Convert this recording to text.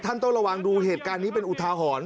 ต้องระวังดูเหตุการณ์นี้เป็นอุทาหรณ์